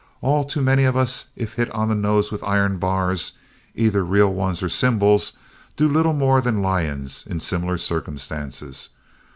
All too many of us if hit on the nose with iron bars, either real ones or symbols, do little more than lions in similar circumstances.